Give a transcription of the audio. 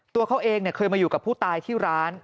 ตัวเขาเองเคยมาอยู่กับผู้ตายที่ร้าน